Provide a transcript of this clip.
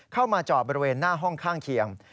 เข้ามาจอดบริเวณหน้าห้องข้างเคียง